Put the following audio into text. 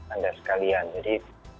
anda sekalian jadi